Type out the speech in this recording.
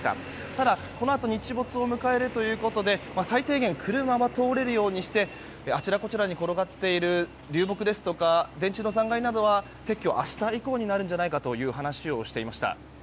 ただ、このあと日没を迎えるということで最低限、車は通れるようにしてあちらこちらに転がっている流木や電柱の残骸などは撤去は、明日以降になるんじゃないかと話していました。